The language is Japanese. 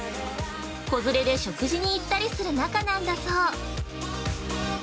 子連れで食事に行ったりする仲なんだそう。